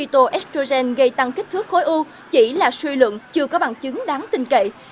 tăng kích thước khối u chỉ là suy luận chưa có bằng chứng đáng tin cậy